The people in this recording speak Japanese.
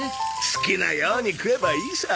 好きなように食えばいいさ。